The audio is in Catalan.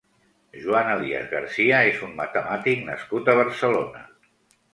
Joan Elias Garcia és un matemàtic nascut a Barcelona.